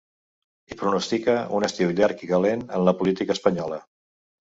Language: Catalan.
I pronostica ‘un estiu llarg i calent en la política espanyola’.